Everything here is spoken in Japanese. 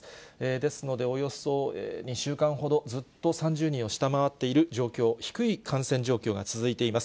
ですので、およそ２週間ほど、ずっと３０人を下回っている状況、低い感染状況が続いています。